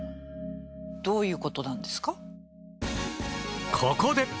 どういうことなんですか？